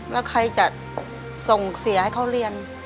แล้วใครจะส่งเสียให้เขาเรียน